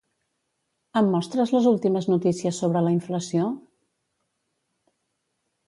Em mostres les últimes notícies sobre la inflació?